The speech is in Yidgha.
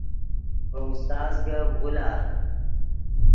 ڤے استاز گپ غولار